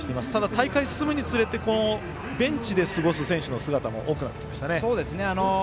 大会進むにつれてベンチで過ごす選手が多くなってきましたね。